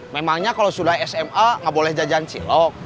memangnya kalo sudah sma gak boleh jajan cilok